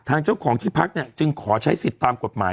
ทางเจ้าของที่พักเนี่ยจึงขอใช้สิทธิ์ตามกฎหมาย